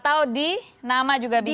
atau di nama juga bisa